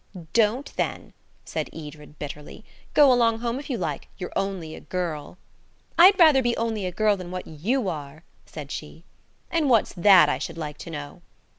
"Don't, then," said Edred bitterly. "Go along home if you like. You're only a girl." "I'd rather be only a girl than what you are," said she. "And what's that, I should like to know?"